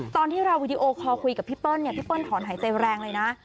ตอนที่เราวีดีโอคอลคุยกับพี่เปิ้ลพี่เปิ้ลถอนหายใจแรงเลยนะ